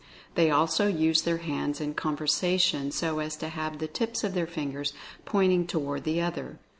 They also use their hands in con versation so as to have the tips of their fingers point ing toward the other.